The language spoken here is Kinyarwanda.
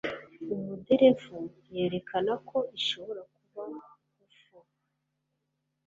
Umuderevu yerekana ko ishobora kuba UFO